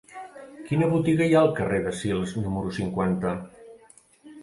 Quina botiga hi ha al carrer de Sils número cinquanta?